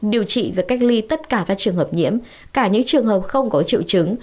điều trị và cách ly tất cả các trường hợp nhiễm cả những trường hợp không có triệu chứng